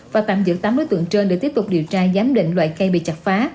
và tạm giữ tám đối tượng trên để tiếp tục điều tra giám định loại cây bị chặt phá